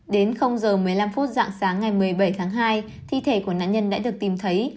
đến giờ một mươi năm phút dạng sáng ngày một mươi bảy tháng hai thi thể của nạn nhân đã được tìm thấy